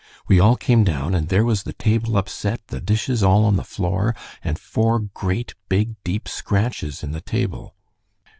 We all came down, and there was the table upset, the dishes all on the floor, and four great, big, deep scratches in the table."